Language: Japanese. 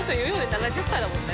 ７０歳だもんね。